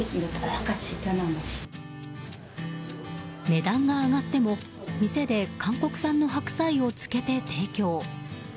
値段が上がっても店で韓国産の白菜を漬けて提供。